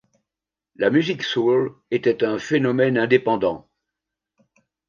La musique soul était un phénomène indépendant.